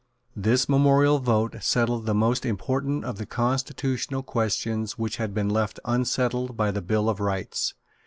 This memorable vote settled the most important of the constitutional questions which had been left unsettled by the Bill of Rights.